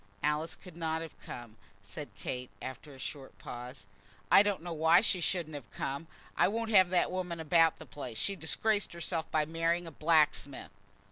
"Alice could not have come," said Kate, after a short pause. "I don't know why she shouldn't have come. I won't have that woman about the place. She disgraced herself by marrying a blacksmith